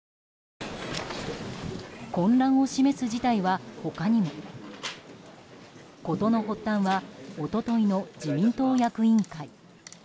混乱を示す事態は他にも。事の発端は一昨日の自民党役員会。